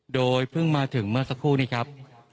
โดยเพิ่งมาถึงเมื่อสักครู่นี้ครับ